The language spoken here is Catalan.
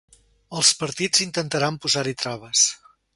Els partits intentaran posar-hi traves.